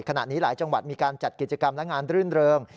ขณะนี้หลายจังหวัดมีการจัดกิจกรรมและงานรื่นเริง